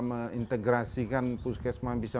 mengintegrasikan puskesma yang bisa